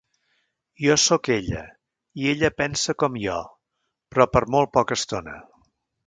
Jo sóc ella i ella pensa com jo, però per molt poca estona.